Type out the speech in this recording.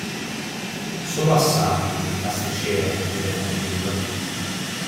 Solo Hassan, il pasticciere, vive tranquillo.